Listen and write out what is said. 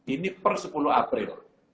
ini per sepuluh april